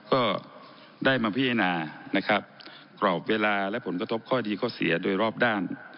ก็ได้มาพิจารณานะครับกรอบเวลาและผลกระทบข้อดีข้อเสียโดยรอบด้าน